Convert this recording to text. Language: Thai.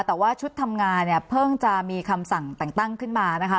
แต่ว่าชุดทำงานเนี่ยเพิ่งจะมีคำสั่งแต่งตั้งขึ้นมานะคะ